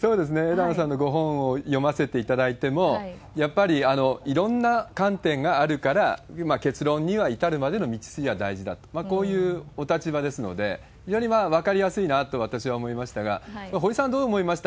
枝野さんのご本を読ませていただいても、やっぱりいろんな観点があるから、結論に至るまでの道筋は大事だ、こういうお立場ですので、非常に分かりやすいなと私は思いましたが、堀さん、どう思いました？